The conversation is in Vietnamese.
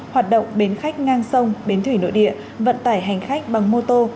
hoạt động bến khách ngang sông bến thủy nội địa vận tải hành khách bằng mô tô